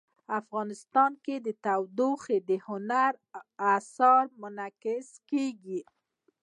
افغانستان کې تودوخه د هنر په اثار کې منعکس کېږي.